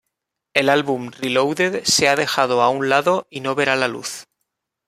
El álbum "Reloaded" se ha dejado a un lado y no verá la luz.